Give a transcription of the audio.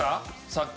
さっき。